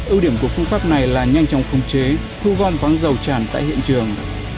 ưu điểm của phương pháp này là nhanh chóng phong chế thu gom vắng dầu tràn tại hiện trường